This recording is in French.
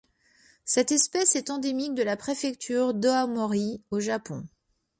Cette espèce est endémique de la préfecture d'Aomori au Japon.